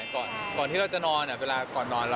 ก่อนที่เราจะนอนเวลาก่อนนอน